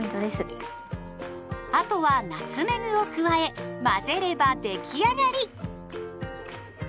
あとはナツメグを加え混ぜれば出来上がり。